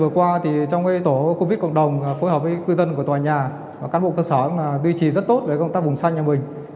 vừa qua trong tổ covid cộng đồng phối hợp với cư dân của tòa nhà các bộ cơ sở duy trì rất tốt công tác bùng xanh nhà mình